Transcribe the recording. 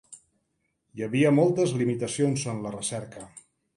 Hi havia moltes limitacions en la recerca.